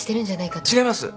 違います